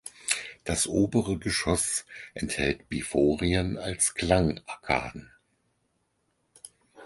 Das obere Geschoss enthält Biforien als Klangarkaden.